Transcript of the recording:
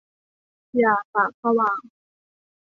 อย่าปากสว่าง !